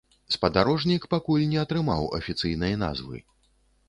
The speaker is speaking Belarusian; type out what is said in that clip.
Спадарожнік пакуль не атрымаў афіцыйнай назвы.